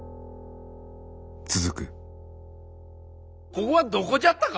ここはどこじゃったか。